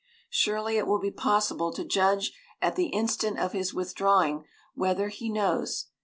Surely it will be possible to judge at the instant of his withdrawing whether he knows.